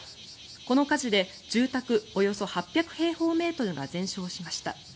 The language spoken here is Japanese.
この火事で住宅およそ８００平方メートルが全焼しました。